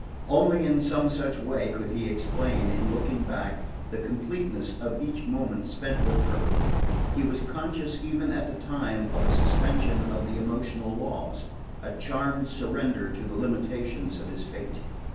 Only in some such way could he explain, in looking back, the completeness of each moment spent with her. He was conscious even at the time of a suspension of the emotional laws, a charmed surrender to the limitations of his fate.